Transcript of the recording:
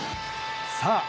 さあ